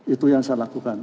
itu yang saya lakukan